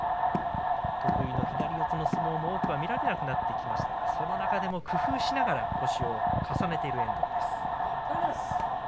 得意の左四つの相撲も多くは見られなくなってきましたがその中でも工夫しながら星を重ねている遠藤です。